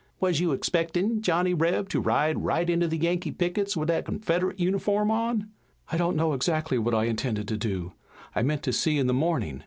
Wuz you expectin', Johnny Reb, to ride right into the Yankee pickets with that Confedrit uniform on?" "I don't know exactly what I intended to do. I meant to see in the morning.